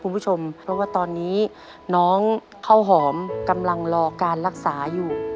คุณผู้ชมเพราะว่าตอนนี้น้องข้าวหอมกำลังรอการรักษาอยู่